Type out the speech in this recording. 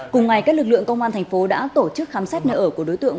cùng ngày các lực lượng công an thành phố đã tổ chức khám xét nơi ở của đối tượng